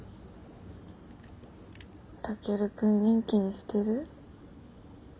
タケルくん元気にしてる？